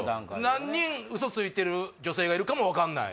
何人ウソついてる女性がいるかも分からない